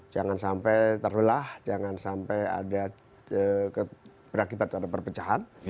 jangan sampai terlulah jangan sampai ada berakibat ada perpecahan